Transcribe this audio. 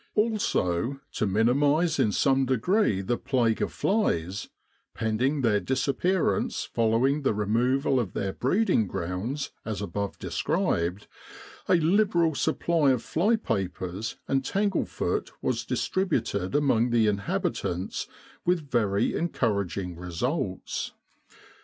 Also, to minimise in some degree the plague of flies pending their disappearance following the removal of their 142 El Arish and After breeding grounds as above described a liberal supply of fly papers and tanglefoot was distributed among the inhabitants with very encouraging results.